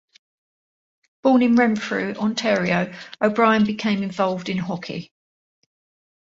Born in Renfrew, Ontario, O'Brien became involved in hockey.